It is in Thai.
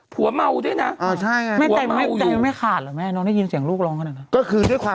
ผัวเม้าได้นะ